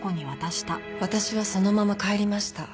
私はそのまま帰りました。